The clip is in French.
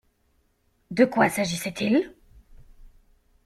De quoi s'agissait-il?